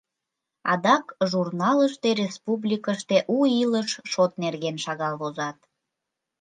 Адак журналыште республикыште у илыш шот нерген шагал возат.